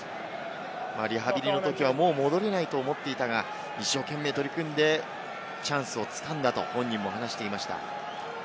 リハビリのときはもう戻れないと思っていたが、一生懸命取り組んでチャンスを掴んだと本人も話していました。